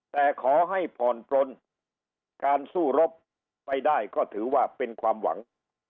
แต่ขอให้ผ่อนปลนการสู้รบไปได้ก็ถือว่าเป็นความหวัง